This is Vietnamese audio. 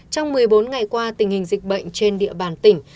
trong một mươi bốn ngày qua tình hình dịch bệnh trên địa bàn tỉnh